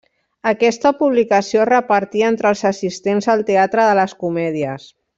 Aquesta publicació es repartia entre els assistents al Teatre de les Comèdies.